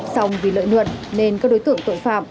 xong vì lợi nhuận nên các đối tượng tội phạm